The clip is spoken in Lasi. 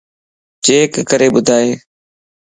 چيڪ ڪري ٻڌائي